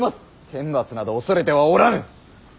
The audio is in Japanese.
天罰など恐れてはおらぬ！